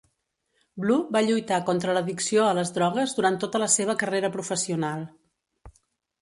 Blue va lluitar contra l'addicció a les drogues durant tota la seva carrera professional.